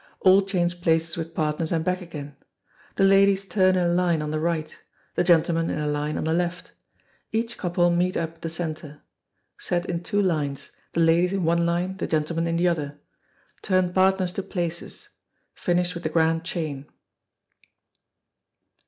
All change places with partners and back again. The ladies turn in a line on the right, the gentlemen in a line on the left. Each couple meet up the centre. Set in two lines, the ladies in one line, the gentlemen in the other. Turn partners to places. Finish with the grand chain.